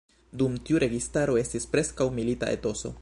Dum tiu registaro estis preskaŭ milita etoso.